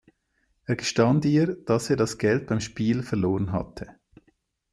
Er gestand ihr, dass er das Geld beim Spiel verloren hatte.